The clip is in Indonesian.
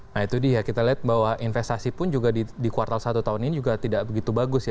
nah itu dia kita lihat bahwa investasi pun juga di kuartal satu tahun ini juga tidak begitu bagus ya